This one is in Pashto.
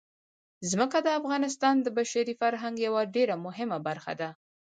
ځمکه د افغانستان د بشري فرهنګ یوه ډېره مهمه برخه ده.